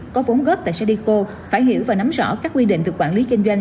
có vốn góp tại sadeco phải hiểu và nắm rõ các quy định từ quản lý kinh doanh